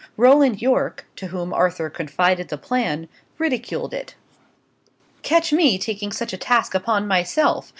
Roland Yorke, to whom Arthur confided the plan, ridiculed it. "Catch me taking such a task upon myself!